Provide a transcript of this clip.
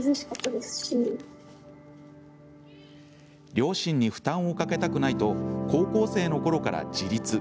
両親に負担をかけたくないと高校生のころから自立。